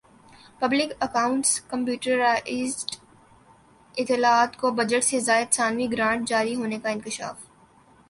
public accounts کمیٹیوزارت اطلاعات کو بجٹ سے زائد ثانوی گرانٹ جاری ہونے کا انکشاف